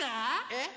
えっ？